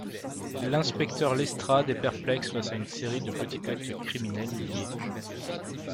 L'inspecteur Lestrade est perplexe face à une série de petits actes criminels liés.